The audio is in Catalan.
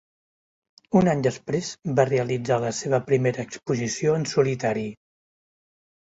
Un any després va realitzar la seva primera exposició en solitari.